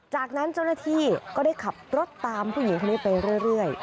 จากนั้นเจ้าหน้าที่ก็ได้ขับรถตามผู้หญิงคนนี้ไปเรื่อย